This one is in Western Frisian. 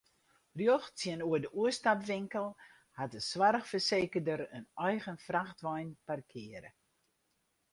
Rjocht tsjinoer de oerstapwinkel hat de soarchfersekerder in eigen frachtwein parkearre.